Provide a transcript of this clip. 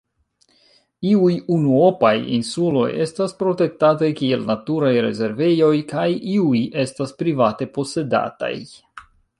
Iuj unuopaj insuloj estas protektataj kiel naturaj rezervejoj kaj iuj estas private posedataj.